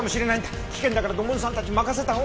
危険だから土門さんたちに任せた方が。